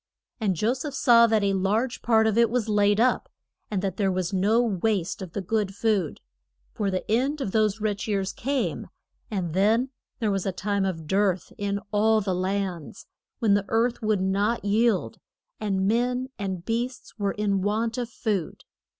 And Jo seph saw that a large part of it was laid up, and that there was no waste of the good food. For the end of those rich years came and then there was a time of dearth in all the lands, when the earth would not yield, and men and beasts were in want of food.